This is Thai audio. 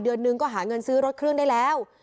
เดือนนึงก็หาเงินซื้อรถเครื่องได้แล้ว